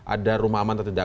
ada rumah aman atau tidak